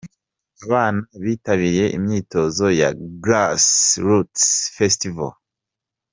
Abana bitabiriye imyitozo ya Grassroots Festival.